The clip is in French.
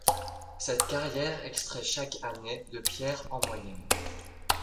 Cette carrière extrait chaque année de pierres en moyenne.